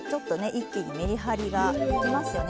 一気にめりはりができますよね。